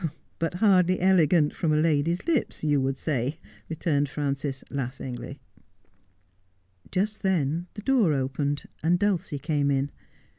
' But hardly elegant from a lady's hps, you would say,' returned Frances, laughing. Just then the door opened and Dulcie came in.